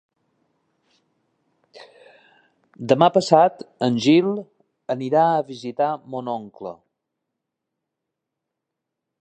Demà passat en Gil anirà a visitar mon oncle.